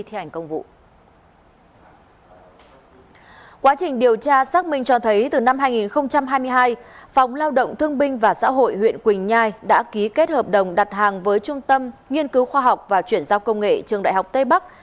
từ năm hai nghìn hai mươi hai phóng lao động thương binh và xã hội huyện quỳnh nhai đã ký kết hợp đồng đặt hàng với trung tâm nghiên cứu khoa học và chuyển giao công nghệ trường đại học tây bắc